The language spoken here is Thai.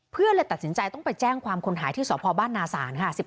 เลยตัดสินใจต้องไปแจ้งความคนหายที่สพบ้านนาศาลค่ะ